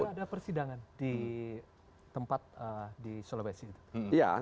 belum ada persidangan di tempat di sulawesi itu